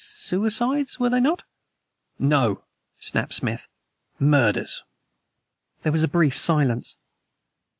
"Suicides, were they not?" "No!" snapped Smith. "Murders!" There was a brief silence.